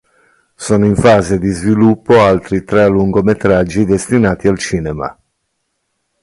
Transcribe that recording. Sono in fase di sviluppo altri tre lungometraggi destinati al cinema.